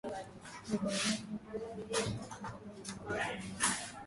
Vibaraka hao ni Herode Mkuu na wazawa wake